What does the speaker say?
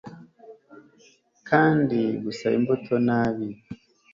Kandi gusaba imbuto nabi